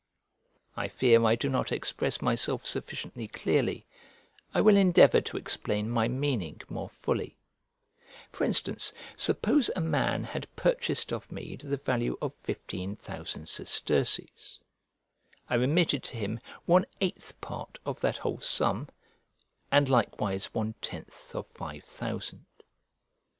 I fear I do not express myself sufficiently clearly; I will endeavour to explain my meaning more fully: for instance, suppose a man had purchased of me to the value of fifteen thousand sesterces, I remitted to him one eighth part of that whole sum, and likewise one tenth of five thousand.